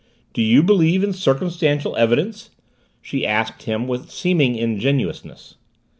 "Do you believe in circumstantial evidence?" she asked him with seeming ingenuousness.